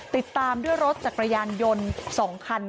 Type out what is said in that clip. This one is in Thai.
ติดตามด้วยรถจักรยานยนต์๒คัน